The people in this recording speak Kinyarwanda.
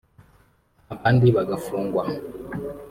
abandi bagafungwa